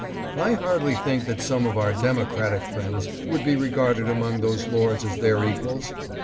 I hardly think that some of our Democratic friends would be regarded among those lords as their equals.